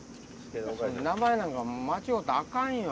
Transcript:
名前なんか間違うたらアカンよ！